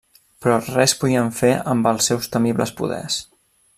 Però res podien fer amb els seus temibles poders.